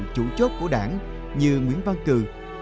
chủ chốt của đảng như nguyễn văn cử